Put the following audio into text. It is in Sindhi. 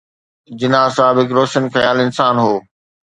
جناح صاحب هڪ روشن خيال انسان هو.